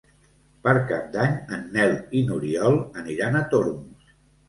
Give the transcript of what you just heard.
Per Cap d'Any en Nel i n'Oriol aniran a Tormos.